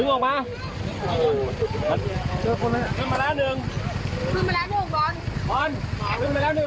๑๒ขึ้นมาก่อน